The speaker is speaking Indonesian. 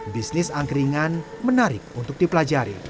bisnis angkringan menarik untuk dipelajari